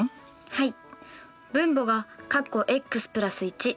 はい。